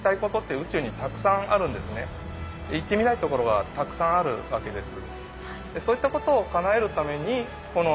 行ってみたいところはたくさんあるわけです。